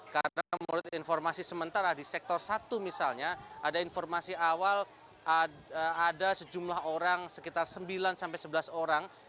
karena menurut informasi sementara di sektor satu misalnya ada informasi awal ada sejumlah orang sekitar sembilan sebelas orang